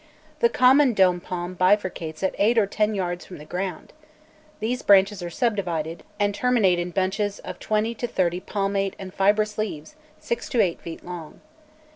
The common dôm palm bifurcates at eight or ten yards from the ground; these branches are subdivided, and terminate in bunches of twenty to thirty palmate and fibrous leaves, six to eight feet long.